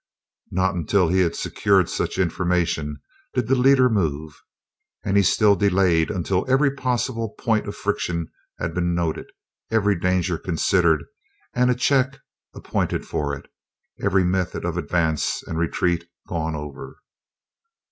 Not until he had secured such information did the leader move. And he still delayed until every possible point of friction had been noted, every danger considered, and a check appointed for it, every method of advance and retreat gone over.